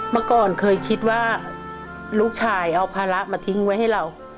เมื่อก่อนเคยคิดว่าลูกชายเอาภาระมาทิ้งไว้ให้เรา